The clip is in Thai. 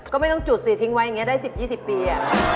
ก็ไม่ต้องจุดสิทิ้งไว้อย่างนี้ได้๑๐๒๐ปี